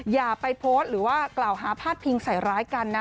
อย่าไปโพสต์หรือว่ากล่าวหาพาดพิงใส่ร้ายกันนะ